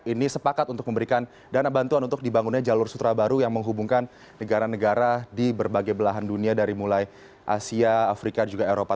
ini sepakat untuk memberikan dana bantuan untuk dibangunnya jalur sutra baru yang menghubungkan negara negara di berbagai belahan dunia dari mulai asia afrika juga eropa